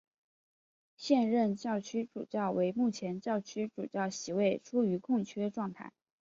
现任教区主教为目前教区主教席位处于出缺状态。